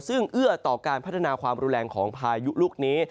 ซึ่งเอื้อต่อการพัฒนาความรุนแรงของพายุลูกนี้